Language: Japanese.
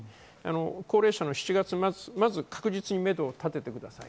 高齢者の７月末を確実にめどを立ててください。